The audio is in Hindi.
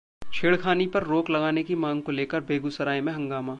छेड़खानी पर रोक लगाने की मांग को लेकर बेगूसराय में हंगामा